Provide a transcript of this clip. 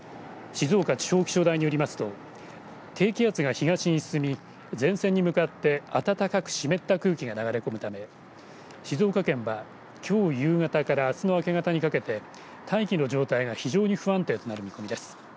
静岡地方気象台によりますと低気圧が東に進み前線に向かって暖かく湿った空気が流れ込むため静岡県は、きょう夕方からあすの明け方にかけて大気の状態が非常に不安定となる見込みです。